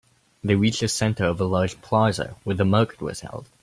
They reached the center of a large plaza where the market was held.